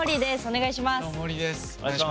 お願いします。